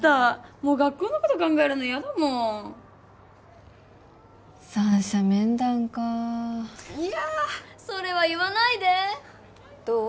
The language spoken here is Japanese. もう学校のこと考えるのやだもん三者面談かあいやそれは言わないでどう？